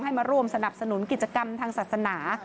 มาร่วมสนับสนุนกิจกรรมทางศาสนา